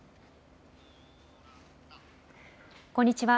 こんにちは。